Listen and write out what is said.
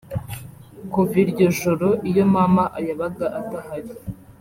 Kuva iryo ijoro iyo mama yabaga adahari